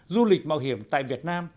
du lịch mạo hiểm tại việt nam